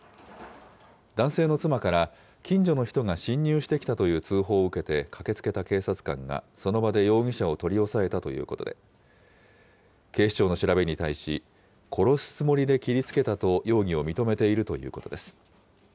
男性の妻から、近所の人が侵入してきたという通報を受けて、駆けつけた警察官が、その場で容疑者を取り押さえたということで、警視庁の調べに対し、殺すつもりで切りつけたと容疑を認めているということです。